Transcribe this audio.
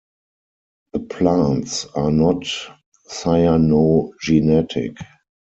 The plants are not cyanogenetic.